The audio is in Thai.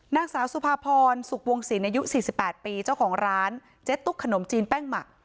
นางสาวสุภาพรสุขวงศิลป์อายุ๔๘ปีเจ้าของร้านเจ๊ตุ๊กขนมจีนแป้งหมัก